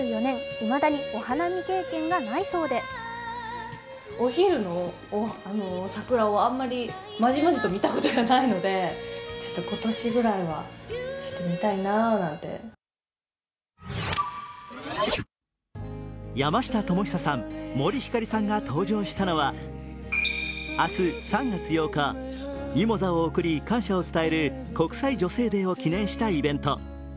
いまだにお花見経験がないそうで山下智久さん、森星さんが登場したのは明日３月８日、ミモザを贈り感謝を伝える国際女性デーを記念したイベント。